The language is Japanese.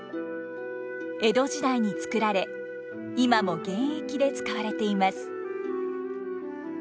江戸時代に作られ今も現役で使われています。